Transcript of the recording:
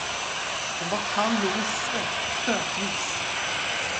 Den var kall och riste, stötvis.